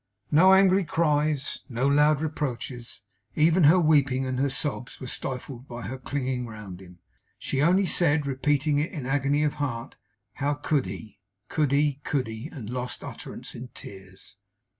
No angry cries; no loud reproaches. Even her weeping and her sobs were stifled by her clinging round him. She only said, repeating it in agony of heart, how could he, could he, could he and lost utterance in tears.